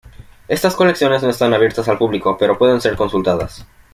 Estas colecciones no están abiertas al público pero pueden ser consultadas.